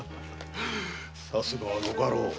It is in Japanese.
さすがはご家老。